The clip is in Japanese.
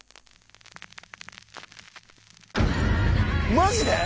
マジで！？